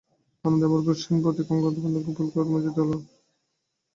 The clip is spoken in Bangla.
আনন্দে আমার ভূষণবিহীন প্রত্যেক অঙ্গপ্রত্যঙ্গ পুলকে রোমাঞ্চিত হইয়া উঠিল।